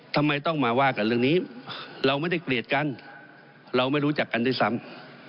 ทำไมต้องมาว่ากันเรื่องนี้เราไม่ได้เกลียดกันเราไม่รู้จักกันด้วยซ้ำ